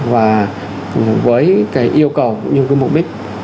và với yêu cầu như mục đích